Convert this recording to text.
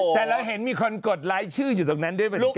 แต่เราเห็นมีคนกดไลค์ชื่ออยู่ตรงนั้นด้วยเหมือนกัน